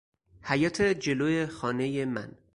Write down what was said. حیاط جلو خانهی من